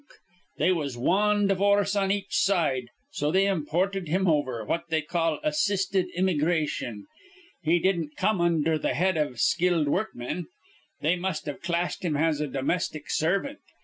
They was wan divorce on each side. So they imported him over, what they call assisted immygration. He didn't come undher th' head iv skilled workman. They must've classed him as a domestic servant.